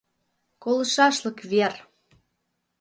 — Колышашлык вер!